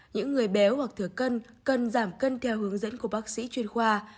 những người béo hoặc thừa cân cần giảm cân theo hướng dẫn của bác sĩ chuyên khoa